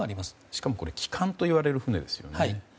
しかも旗艦といわれる船ですよね。